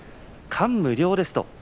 感無量ですと。